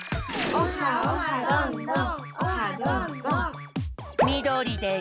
オハオハどんどん！